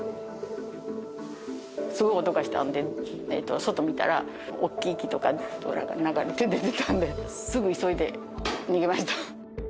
すごい音がしたんで、外見たら、おっきい木とかが流れ出てたんで、すぐ急いで逃げました。